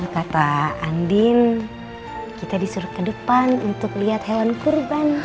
kata andin kita disuruh ke depan untuk lihat hewan kurban